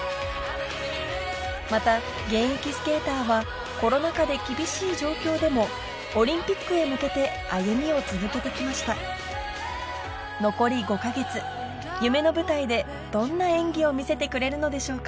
また現役スケーターはコロナ禍で厳しい状況でもオリンピックへ向けて歩みを続けて来ました残り５か月夢の舞台でどんな演技を見せてくれるのでしょうか